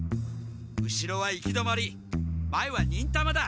後ろは行き止まり前は忍たまだ！